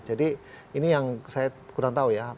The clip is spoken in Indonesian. jadi ini yang saya kurang tahu ya